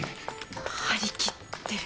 張り切ってる。